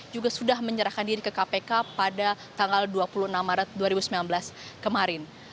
juga sudah menyerahkan diri ke kpk pada tanggal dua puluh enam maret dua ribu sembilan belas kemarin